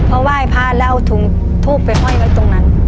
เพราะว่ายพาแล้วถูกไปห้อยไว้ตรงนั้น